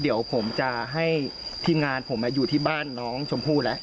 เดี๋ยวผมจะให้ทีมงานผมอยู่ที่บ้านน้องชมพู่แล้ว